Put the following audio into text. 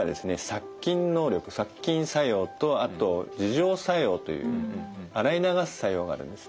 殺菌能力殺菌作用とあと自浄作用という洗い流す作用があるんですね。